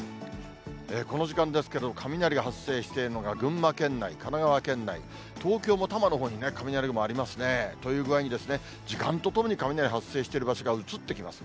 この時間ですけれども、雷が発生しているのが群馬県内、神奈川県内、東京も多摩のほうにね、雷雲ありますね。という具合に時間とともに、雷発生してる場所が移ってきます。